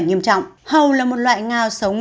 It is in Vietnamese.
nghiêm trọng hầu là một loại ngào sống